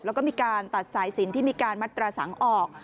แล้วก็มีการตัดสายสินที่มีการมัตราสังออก